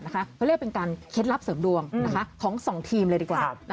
เขาเรียกเป็นการเคล็ดลับเสริมดวงของ๒ทีมเลยดีกว่า